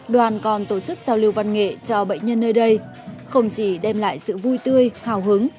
đoàn còn tổ chức giao lưu văn nghệ cho bệnh nhân nơi đây không chỉ đem lại sự vui tươi hào hứng